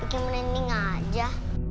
bikin menending aja